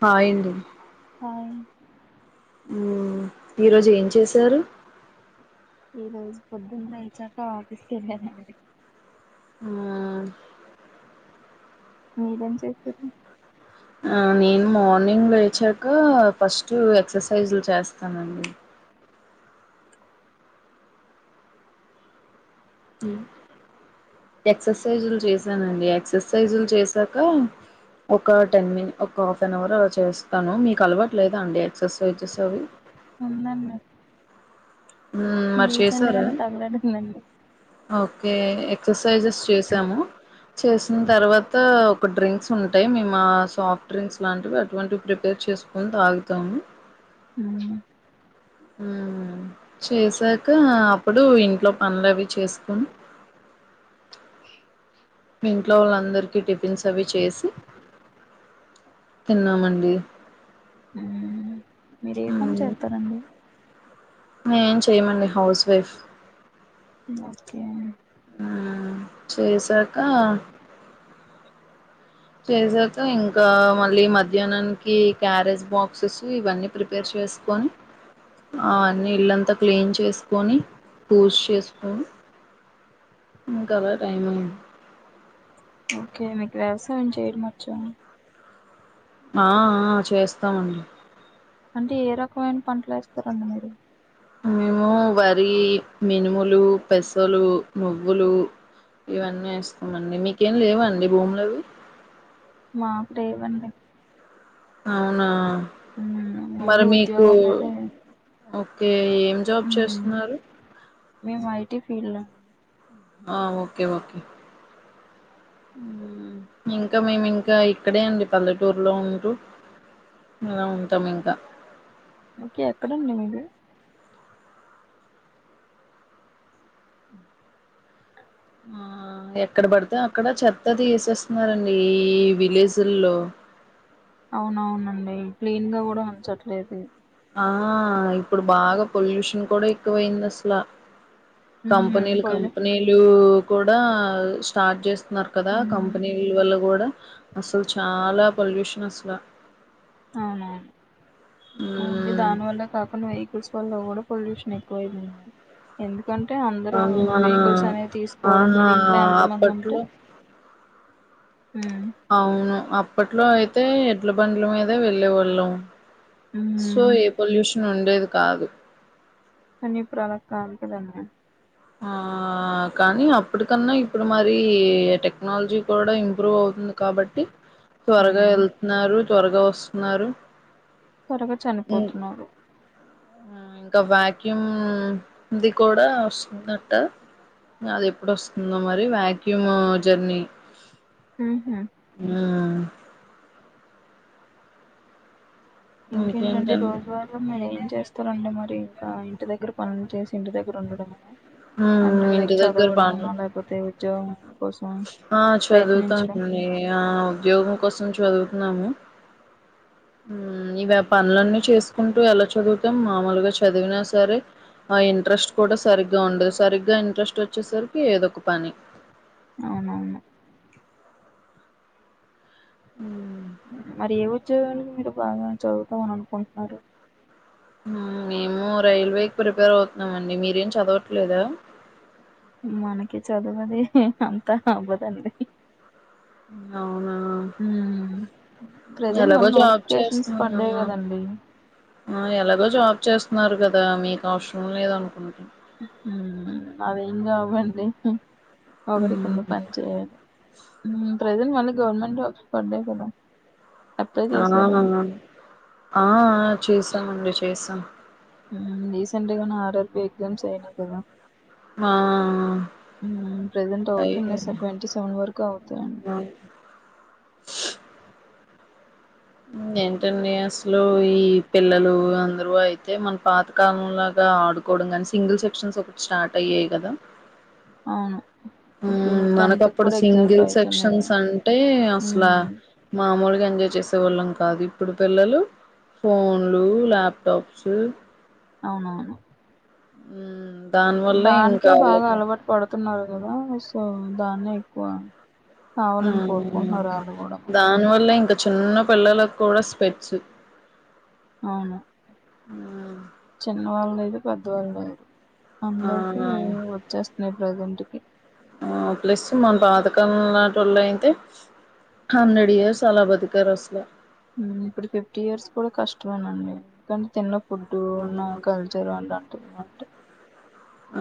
హా ఇందు హాయ్ మ్ ఈరోజు ఏం చేసారు. ఈరోజు పొద్దున లేచాక ఆఫిస్ కెళ్ళానండి. ఆ మీరేం చేస్తుర్రు ఆ నేను మార్నింగ్ లేచాక ఫస్ట్ ఎక్సర్సైజ్లు చేస్తానండి. ఎక్సర్సైజులు చేసానండి. ఎక్సర్సైజులు చేసాక ఒక టెన్ మిని ఒక హాఫ్ అన్ అవర్ అలా చేస్ తను మీకు అలవాటు లేదా అండి ఎక్సర్సైజెస్ అవి ఉందండి ఉమ్ మరి డీసెంట్ చేసారా గానే తగలడిందండి ఒక్ ఎక్సర్సైజెస్ చేసాం చేసిన్ తర్వాత ఒక డ్రింక్స్ ఉంటాయ్ మేమా సాఫ్ డ్రింక్స్ లాంటివి అటువంటివి ప్రిపేర్ చేసుకొని తాగుతాము. అవునా ఉమ్ చేసాక అప్పుడు ఇంట్లో పనులవి చేసుకొని ఇంట్లొ వాళ్ళందరికీ టిఫిన్స్ అవి చేసి తిన్నామండి మ్ మీరు ఎ పని చేత్తారండి మే ఏం చెయమండి హౌస్ వైఫ్ ఓకే మ్ చేసాక చేసాక ఇంకా మళ్ళి మధ్యనానికి క్యారేజ్ బాక్ సుస్ ఇవన్ని ప్రిపేర్ చేసుకొని అ అన్ని ఇల్లంతా క్లీన్ చేసుకొని పూజ్ చేసుకొని ఇంకవ్ టైమైంది ఓకే మికు వ్యవసాయం చేయడం ఒచ్చ ఆ ఆ చేస్తామండి అంటే ఏ రకమైన పంటల్ ఏస్తారండి మీరు మేము వరి మినుములు పెస్సలు నువ్వులు ఇవన్నీ ఏస్తామండి. మీకేం లేవండి భూములవి మాక్ లేవ్ అండి అవునా మ్మ్ మరి ఓన్లీ మీకు ఉద్యోగం అయితే ఓకే ఏం జాబ్ చేస్తున్నారు మేమ్ ఐటి ఫీల్ లా ఆ ఓకే ఓకే ఇంకా మేమింకా ఇక్కడే ఉండి పల్లెటూర్లో ఉంటూ ఇలా ఉంటాం ఇంకా ఓకే ఎక్కడండి మీది ఆ ఎక్కడ్ పడ్తే అక్కడ చెత్త తీసేస్తున్నారండి ఈ విలేజుల్లో అవ్నవ్నండి క్లీన్ గా కూడా ఉంచట్లేదు ఆ ఇప్పుడు బాగా పొల్యూషన్ కూడా ఎక్కువైంది అస్ల మ్మ్ కంప్నీలు పల్లె కంప్నీలు కూడా స్టార్ట్ చేస్త్ న్నారు కదా మ్మ్ కంప్నీల వల్ల కూడా అసలు చాలా పొల్యూషన్ అస్ల అవునవును ఓన్లీ మ్మ్. దాన్ వల్ల కాకుండా వెహికిల్స్ వల్ల కూడా పొల్యూషన్ ఎక్కువైంది ఎందు కంటే అందరు అవునా వెహికిల్స్ అనేవి తీస్కోవడం అవునా వల్ల ఇంట్లో ఎంత మంది ఉంటే అప్పట్లో ఉమ్ అవును అప్పట్లో అయితే ఎడ్ల బండ్ల మీదే వెళ్ళేవాళ్ళం సో ఉమ్ ఏ పొల్యూషన్ ఉండేది కాదు కాని ఇప్పుడ్ అలా కాదుకదండీ ఆ కానీ అప్పటికన్నా ఇప్పుడు మరి టెక్నాలజీ కూడా ఇంప్రూవ్ అవ్ ఉంది కాబట్టి త్వరగా ఉమ్ ఏళ్తున్నారు త్వరగా ఓస్తున్నారు త్వరగా చనిపోతున్నారు అ ఇంకా వ్యక్యూమ్ది కూడా ఓస్ ఉందంట్ట అది ఎప్పుడోస్తుందో మరి వ్యాక్యూమ్ జర్నీ మ్ హు హు మ్ ఇంకేంటండి రోజువారు మీరేం చేస్తారండి మరి ఇంకా ఇంటి దగ్గర పనులు చేసి ఇంటి దగ్గర ఉండడమేనా మ్మ్. అంటే లైక్ ఇంటి దగ్గర పనులు చదవడమన లేక్పోతే ఉజ్యోగం ఆ చదువ్తానండి ఆ ఉద్యోగం కోసం చదువ్తున్నాము హు మ్ ఇవి పనులన్నీ చేస్కుంటూ ఎలా చదువుతాం మామూల్గా చదివినా సరే ఆ ఇంట్రెస్ట్ కూడా సరిగ్గా ఉండదు సరిగ్గా ఇంట్రెస్ట్ ఓచ్చేసరికి ఏదో ఒక పని అవునవును మ్మ్. ఉజ్యోగానికి మీరు బాగా చదువుతమని అన్కుంటున్నారు మేము రైల్వే కి ప్రిపేర్ అవ్త్నమండి మీరేం చదవట్లేదా మనకి చదువది అంతా గ అవ్వదండి అవ్ అవ్నా ఉమ్ ప్రజెంట్ ఎలాగో మళ్ళీ జాబ్ నోటిఫికేషన్స్ చేస్త్నార్ గ పడ్డాయి కదండి ఆ ఎలాగో జాబ్ చేస్త్నారు కదా మీక్ అవ్సరం లేదన్కుంట హు మ్ అదేం జాబ్ అండి మ్మ్ ఒకరికింద పని చేయదు ఉ ప్రజెంట్ మళ్ళీ గవర్నమెంట్ జాబ్స్ పడ్డాయి కదా అప్లై ఆన చేసారా ఆ ఆ చేసామండి చేసాం ఊమ్ రీసెంట్గా ఆర్ ఆర్ పి ఎగ్జామ్స్ అయినాయి కదా ఆ మ్ ప్రజెంట్ అవుతుంద్ సెవెన్టి సెవెన్ వరకు అవుతాయండి ఆ అయి ఏంటండి అసలు ఈ పిల్లలు అందరు అయితే మన పాతకాలం లాగా ఆడుకోవడం కానీ సింగిల్ సెక్షన్స్ ఒకటి స్టార్ట్ అయ్యాయి కదా. అవును ఇప్పుడు ఉమ్ మరి టెన్త్ మనకప్పుడు కూడా ఎగ్జామ్స్ సింగిల్ అయితున్నాయి కదా సెక్షన్స్ అంటే అసలా ఉమ్ మామూలు గ ఎంజాయ్ చేసేవాళ్ళం కాదు. ఇప్పుడు పిల్లలు ఫోన్లు లాప్టాప్స్ అవునవును ఉహు దానికే బాగా అలవాటు పడుతున్నారు కదా సో దాన్నే ఎక్కువ కావాలని కోరుకుంటున్నారు ఉమ్ వాళ్ళు కూడా మరి దానివల్లే ఇంకా చిన్న పిల్లలకు కూడా స్పెట్స్ అవును చిన్నవాళ్ళు ఐగా పెద్దవాళ్ళు అయ్యిరు ఆ అందరికి వచ్చేస్తున్నాయి ప్రజెంట్ కి ఆ ప్లస్ మన పాతకం నాటి వాళ్ళు అయితే హండ్రెడ్ ఇయర్స్ అలా బతికారు అసలు ఇప్పుడు ఫిఫ్టీ ఇయర్స్ కూడా కష్టమేనండి. ఎందుకంటే తిన ఫుడ్ ఉన్న మ్మ్ కల్చర్ అలాటు అంటే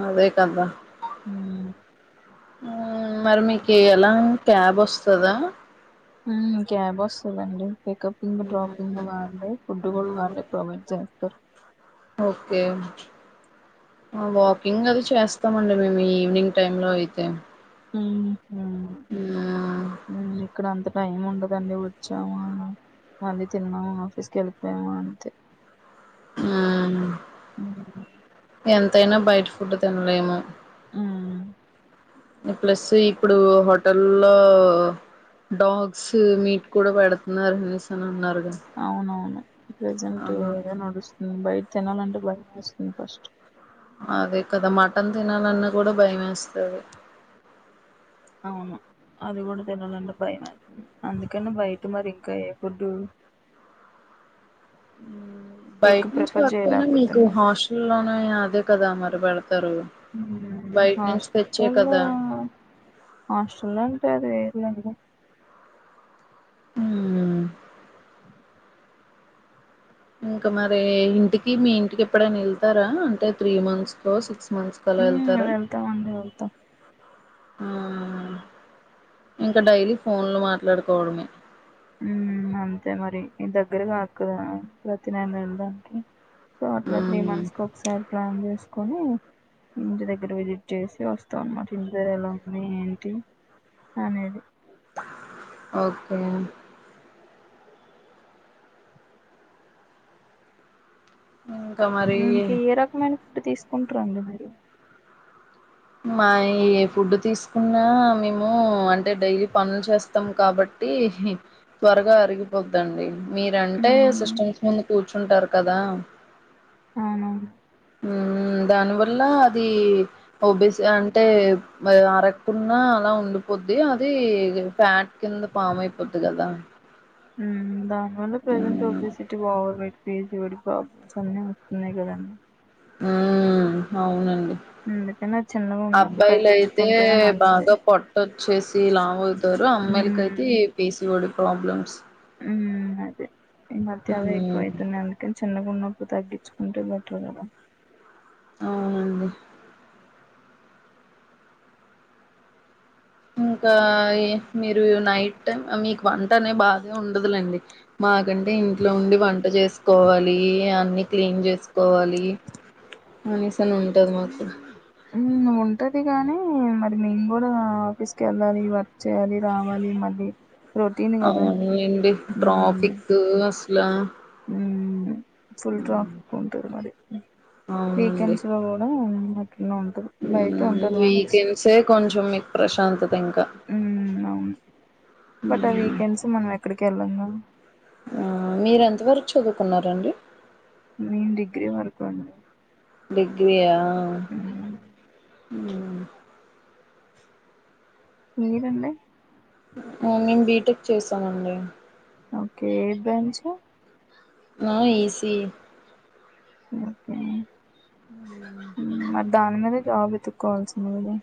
అదే కద ఉ ఉ మరి మీకు ఎలా క్యాబ్ వస్తదా. ఉ క్యాబ్ వస్తదండి పికపింగ్ డ్రాపింగ్ కాన్ని ఫుడ్ కూడా వల్లే ప్రొవైడ్ చేస్తారు. ఓకే వాకింగ్ అది చేస్తామండి. మేము ఈవినింగ్ టైమ్ లో అయితే ఉ ఊన ఇక్కడ అంత టైం ఉండదండి వచ్చామ మళ్ళీ తిన్నామ ఆఫీస్ కి వెళ్ళిపోయామ అంతే మ్మ్ ఎంతైనా బయట ఫుడ్ తినలేము. మ్మ్ ప్లస్ ఇప్పుడు హోటల్లో డాగ్స్ మీట్ కూడా పెడుతున్నారనేసి అవునవును ప్రెజెంట్ అవును అదే నడుస్తుంది. తినాలంటే భయంవేస్తుంది ఫస్ట్ అదే కదా మటన్ తినాలన్న కూడా భయం వేస్తది. అవును అది కూడా తినాలంటే భయమేత్తుంది. అందుకని బయట మరి ఇంకా ఏ ఫుడ్డు బయట ఎక్కువ నుంచి ప్రిఫర్ కాకపోయినా మీకు చేయలేకపోతున్నా హాస్టల్లోనే అదే కదా మరి వెడత ఉ తెచ్చే హాస్టల్లో కదా హాస్టల్లో ఉంటే అది వేరులేండి ఊమ్ ఇంకా మరి ఇంటికి మీ ఇంటికి ఎప్పుడైనా వెళ్తారా అంటే త్రీ మంత్స్ కో సిక్స్ మంత్స్ కో అలా మ్మ్ వెళ్తారా వెళ్తామండి వెళ్తాం ఆ ఇంకా డైలీ ఫోన్లు మాట్లాడుకోవడమే ఉమ్ అంతే మరి మీ దగ్గర కాదు కదా ప్రతి మంత్ వెళ్ళడానికి సో అట్లా త్రీ మ్మ్ మంత్స్ కో ఒకసారి ప్లాన్ చేస్ కొని ఇంటి దగ్గర విజిట్ చేసి వస్తాం అన్నమాట ఇంటి దగ్గర ఎలాఉన్నాయ్ ఏంటి అనేది ఓకే ఇంకా మరి ఇంకా ఏ రకమైన ఫుడ్ తీసుకుంటారండి మీరు మాయ్యి ఏ ఫుడ్ తీసుకున్న మేము అంటే డైలీ పనులు చేస్తాం కాబట్టి త్వరగా అరిగిపోద్దండి. మీరంటే ఉమ్ సిస్టమ్స్ ముందు కూర్ కూర్చుంటారు కదా అవునా మ్ దానివల్ల అది ఓబీసీ అంటే మ్ ఆర కున్నా అలా ఉండిపోద్ది అది ఫ్యాట్ కింద పామ్ అయిపోద్ది కదా మ్ దానివల్ల present obesity overweight PCOD problems అన్ని అవుతున్నాయ్ కదండీ మ్ అవునం అందుకనే చిన్నగా ఉన్నప్పుడు అబ్బాలైతే తగ్గించుకుంటేనే మంచిది బాగా పొట్టోచ్చేసి లావవ్ తరు ఉమ్ అమ్మాయిలకైతే ఈ పీసీఒడి ప్రాబ్లమ్స్ మ్ అదే ఈ మధ్య అవే ఎక్కువ మ్మ్ అవుతున్నాయి అందుకని చిన్నగునప్ ప్పుడు తగ్గించుకుంటే బెటర్ కదా అవునండి మ్ ఇంక ఇ మీరు నైట్ టైం మీకు వంట అనే బాధే ఉండదులేండి మాకంటే ఇంట్లో ఉండి వంట చేసుకోవాలి అన్ని క్లీన్ చేసుకోవాలి అనీసని ఉంటది మాకు ఉంటది గాని మరి మేము కూడా ఆఫీస్ కేళ్ళాలి వర్క్ చేయాలి రావాలి మళ్ళీ రొటీన్ కదా అవును అండి ఉమ్ ట్రాఫిక్ అస్లా ఉమ్ ఫుల్ ట్రాఫిక్ ఉంటది మరి వీకెండ్స్ లో కూడా అట్లనే ఉంటది బయటే మ్ ఉంటది వర్క్స్ వీకెండ్సే కొంచెం మీకు ప్రశాంతత ఇంకా ఉమ్ అవును బట్ ఆ వీకెండ్స్ మనం ఎక్కడికేళ్ళంగా అ మీరెంతవరకు చదువుకున్నారండి నేను డిగ్రీ వరకు అండి డిగ్రీ ఆ ఉమ్ మ్ మీరండి ఆ నేను బీటెక్ చేసానండి ఓకే ఎ బ్రాంచ్ ఆ ఈసీ మ్హు మరి దానిమీదే జాబ్ వెతుక్కోల్సింది కదా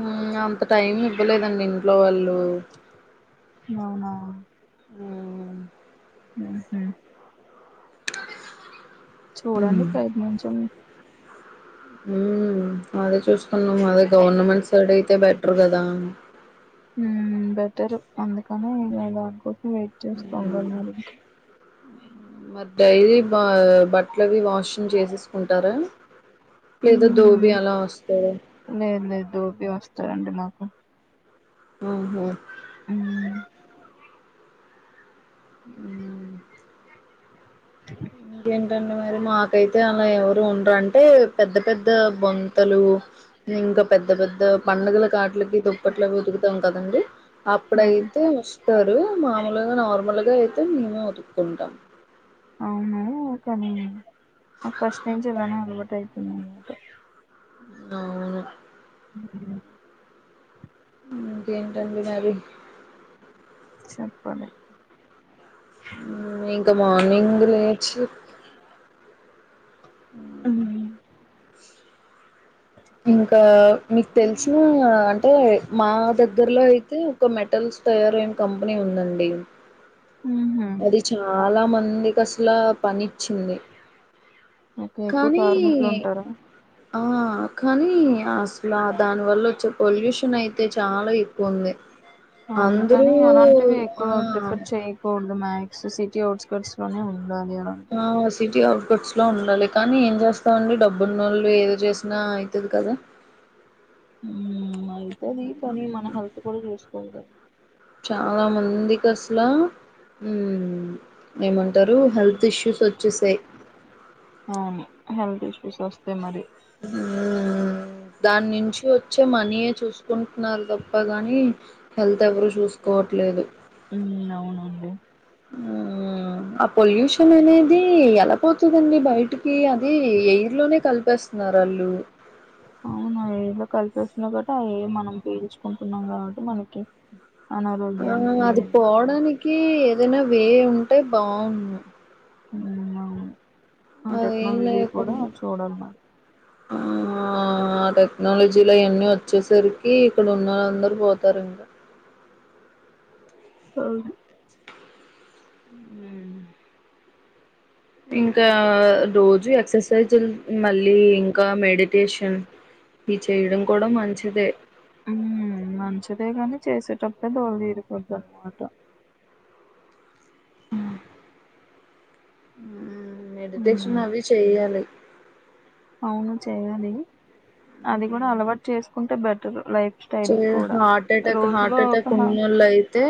మ్ అంత టైం ఇవ్వలేదండి ఇంట్లో వాళ్ళు అవునా మ్ మ్ చూడండి హ్మ్. ప్రయత్నించండి మ్ అదే చూసుకున్నాము అదే గవర్నమెంట్ సైడ్ అయితే బెటర్ కదా మ్ బెటరు అందుకని ఇగ దానికోసం వెయిట్ చేస్తుండలి మరి ఇంకా మరి డైలీ బ బట్టల్ అవి వాషింగ్ చేసేసుకుంటారా లేద దోబి అలా వస్తర దోబీ వస్తాడం మ్ హు మ్ మ్ ఇంకేంటండి మరి మాకైతే అలా ఎవరు ఉండరు అంటే పెద్ద పెద్ద బొంతలు ఇంకా పెద్ద పెద్ద పండుగల కాట్లకి దుప్పట్లవి ఉతుకుతాం కదండీ ఆ అప్పుడయితే ఓస్తారు మామూల్గా నార్మల్గా అయితే మేమే ఉతు కుంటాం ఔనా ఒకే నాకు ఫస్ట్ నుంచి ఇళానే అలవాటు అయి పోయిందన మాట ఔను ఇంకెంటండి మరి చెప్పాలి ఇంక మార్నింగ్ లేచి ఉ ఇంగ్ మీకు తెల్సిన అంటే మా దగ్గరలో అయితే ఒక మెటల్స్ తయారైన కంపెనుందండి ఉహు అది చాలా మంది కష్ ట్లా పనిచ్చింది ఒకే ఎక్కువ కానీ కార్ముక్లుంటారా ఆ కానీ అసల దాని వల్ల వచ్చే పొల్యూషన్ అయితే చాలా ఎక్కువుంది అవును అందరూ కానీ అలాంటివి ఎక్కువ ఆ సిటి ఔట్స్కర్ట్స్ లోనే ఉం ఆ సిటి ఔ కట్స్లో ఉండాలేకానీ ఏం చేస్తామండి డబ్బునోళ్లు ఏది చేసినైతది కదా మ్ అయితది కానీ మన హెల్త్ కూడా చూసుకో చాలా మందికస్లా మ్ ఏమంటారు హెల్త్ ఇష్యూస్ ఓచ్చేసాయి అవును హెల్త్ ఇష్యూస్ వస్తాయి మరి ఊ దాన్నుంచి వచ్చే మనీయే చూసుకుంటున్నారు తప్ప గాని హెల్త్ ఎవరు జూసుకోవట్లే లేదు ఉ ఔ ఆ ఆ పొల్యూషన్ అనేది ఎలా పోతదండి బయటికి అది ఎయిర్లోనే కలిపేస్తున్న రలు కల్పేస్తున్నారు కాబట్టి ఆ ఎయిర్ మనం పీల్చుకుంటున్నాం కాబట్టి మనకి అనారోగ్యానికి ఆ అది మ్మ్ పోవడానికి ఏదైనా వే ఉంటే బాగుంన్ను ఉ ఔను ఆ అదేం టెక్నాలజీ కూడా లేకుండా చూడలి మరి ఆ టెక్నాలజీలో అవన్నీ వచ్చేసరికి ఇక్కడ ఉన్నలందర్ పోతారింకా అవును ఇం ఇంకా రోజు ఎక్సర్సైజ్ మళ్ళీ ఇంకా మెడిటేషన్ ఈ చెయడం కూడా మంచిదే ఉ మంచిదే కానీ చేస్ స్తే దోల తిరిపొద్దన్నమాట ఉ మెడిటేషన్ మ్మ్ అవి చెయ్యాలి అవును చేయాలి అది కూడా అలవాటు చేసుకుంటే బెటర్ లైక్ చె హార్ట్ అటాక్ హార్ట్ ఒక అటాక్ హా ఉన్నోళ్ళైతే